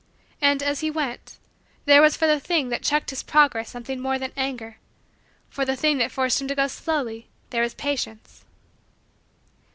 And, as he went, there was for the thing that checked his progress something more than anger for the thing that forced him to go slowly there was patience.